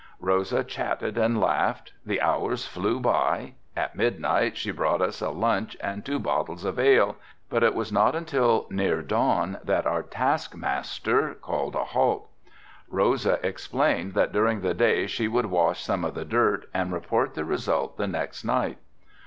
Rosa chatted and laughed, the hours flew by, at midnight she brought us a lunch and two bottles of ale, but it was not until near dawn that our taskmaster called a halt. Rosa explained that during the day she would wash some of the dirt and report the result the next night.